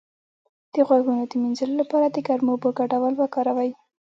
د غوږونو د مینځلو لپاره د ګرمو اوبو ګډول وکاروئ